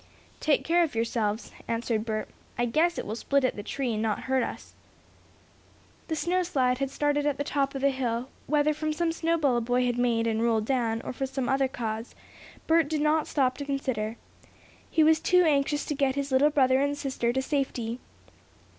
"Take care of yourselves," answered Bert. "I guess it will split at the tree and not hurt us." The snow slide had started at the top of the hill, whether from some snowball a boy had made, and rolled down, or from some other cause, Bert did not stop to consider. He was too anxious to get his little brother and sister to safety.